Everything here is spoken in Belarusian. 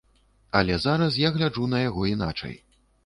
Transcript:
Але зараз я гляджу на яго іначай.